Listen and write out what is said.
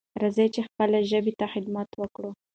راځئ چې خپلې ژبې ته خدمت وکړو.